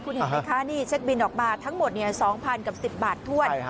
คุณเห็นไหมคะนี่เช็คบินออกมาทั้งหมด๒๐๐กับ๑๐บาทถ้วน